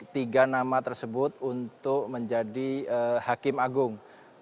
tiga nama tersebut untuk menjadi hakim agung